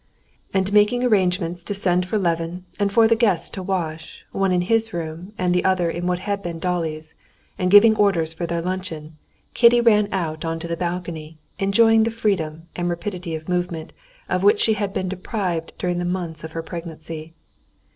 And making arrangements to send for Levin and for the guests to wash, one in his room and the other in what had been Dolly's, and giving orders for their luncheon, Kitty ran out onto the balcony, enjoying the freedom, and rapidity of movement, of which she had been deprived during the months of her pregnancy.